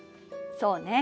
そうね。